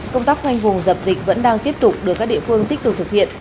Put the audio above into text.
công tác khoanh vùng dập dịch vẫn đang tiếp tục được các địa phương tích cực thực hiện